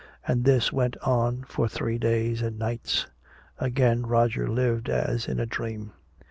And this went on for three days and nights. Again Roger lived as in a dream.